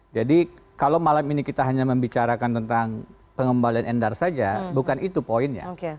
kalau malam ini kita hanya membicarakan tentang pengembalian endar saja bukan itu poinnya